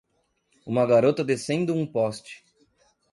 Uma garota descendo um poste